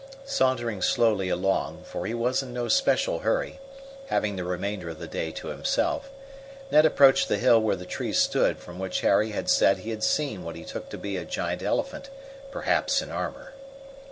Sauntering slowly along, for he was in no special hurry, having the remainder of the day to himself, Ned approached the hill where the tree stood from which Harry had said he had seen what he took to be a giant elephant, perhaps in armor.